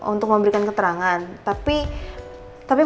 untuk memberikan keterangan tapi